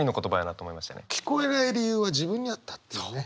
聞こえない理由は自分にあったっていうね。